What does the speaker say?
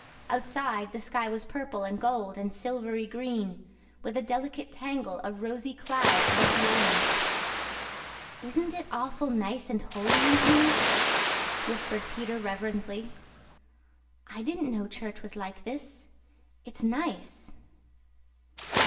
Outside, the sky was purple and gold and silvery green, with a delicate tangle of rosy cloud above the elms. "Isn't it awful nice and holy in here?" whispered Peter reverently. "I didn't know church was like this. It's nice."